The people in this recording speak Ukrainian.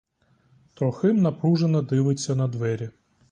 Трохим напружено дивиться на двері.